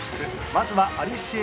まずはアリシエ